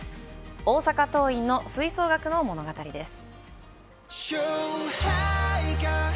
大阪桐蔭の吹奏楽の物語です。